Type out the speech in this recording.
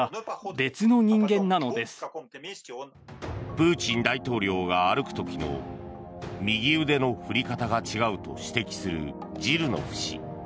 プーチン大統領が歩く時の右腕の振り方が違うと指摘するジルノフ氏。